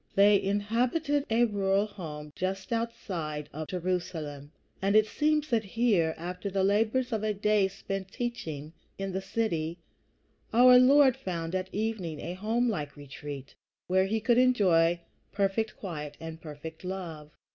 They inhabited a rural home just outside of Jerusalem; and it seems that here, after the labors of a day spent in teaching in the city, our Lord found at evening a homelike retreat where he could enjoy perfect quiet and perfect love.